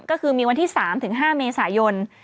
ก็คือมีวันที่๓๕เมษายน